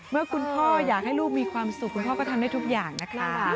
เมื่อคุณพ่ออยากให้ลูกมีความสุขคุณพ่อก็ทำได้ทุกอย่างนะคะ